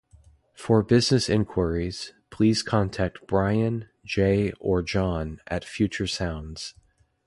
For business inquiries, please contact Bryan Jay or John at Future Sounds.